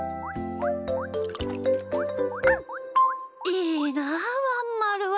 いいなあワンまるは。